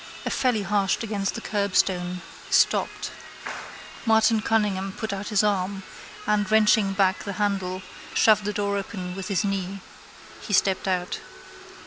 The felly harshed against the curbstone: stopped. Martin Cunningham put out his arm and, wrenching back the handle, shoved the door open with his knee. He stepped out.